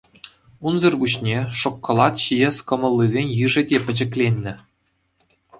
Унсӑр пуҫне шӑккӑлат ҫиес кӑмӑллисен йышӗ те пӗчӗкленнӗ.